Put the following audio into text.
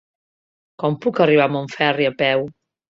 Com puc arribar a Montferri a peu?